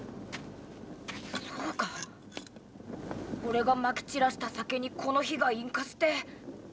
そうか俺が撒き散らした酒にこの火が引火して。